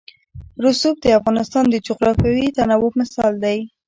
رسوب د افغانستان د جغرافیوي تنوع مثال دی.